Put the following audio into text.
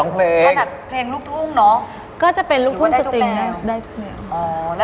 แล้วเราก็อยู่กับใครบ้างคุณแม่